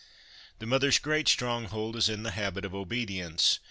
The mother's great stronghold is in the habit of obedience.